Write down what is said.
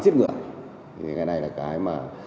giết ngựa ngày này là cái mà